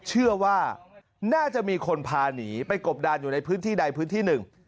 เชื่อว่าน่าจะมีคนพาหนีไปกบดานอยู่ในพื้นที่ใดพื้นที่หนึ่ง